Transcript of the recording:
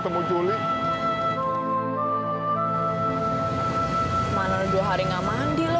gue sudah tahu